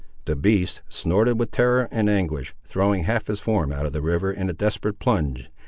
The beast snorted with terror and anguish, throwing half his form out of the river in a desperate plunge.